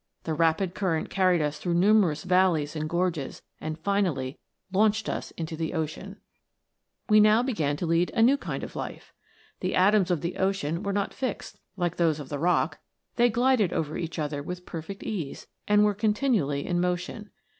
The rapid current carried us through numerous valleys and gorges, and finally launched us into the ocean. 56 THE LIFE OF AN ATOM. " We now began to lead a new kind of life. The atoms of the ocean were not fixed, like those of the rock. They glided over each other with perfect ease, and were continually in motion.